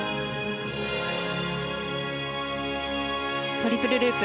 トリプルループ。